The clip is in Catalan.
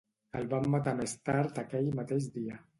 El van matar més tard aquell mateix dia.